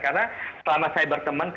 karena selama saya berteman